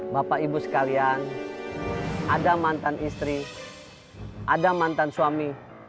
bapak ibu sekalian ada mantan istri ada mantan suami